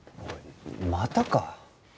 またか？